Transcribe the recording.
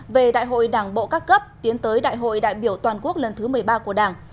về đại hội đảng bộ các cấp tiến tới đại hội đại biểu toàn quốc lần thứ một mươi ba của đảng